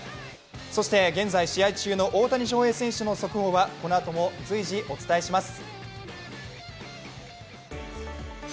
そして現在、試合中の大谷翔平選手の速報はこのあとも随時、お伝えします。